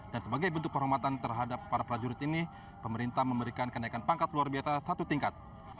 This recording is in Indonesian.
dan sebagai bentuk penghormatan terhadap para prajurit ini pemerintah memberikan kenaikan pangkat luar biasa satu tingkat